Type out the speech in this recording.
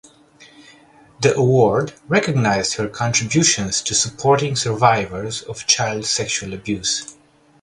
The award recognised her contributions to supporting survivors of child sexual abuse.